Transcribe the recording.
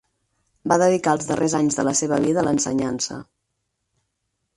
Va dedicar els darrers anys de la seva vida a l'ensenyança.